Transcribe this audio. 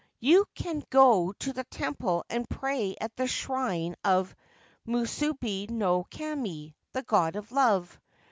' You can go to the temple and pray at the shrine of Musubi no Kami, the God of Love.